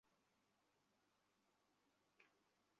তিনি দাবি করেন, আবদুর রাজ্জাকের বেতন-ভাতা অন্য কারও তোলার সুযোগ নেই।